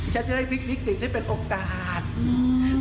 ฉันจะได้พิกษิภิกษ์ให้เป็นโอกาสอือ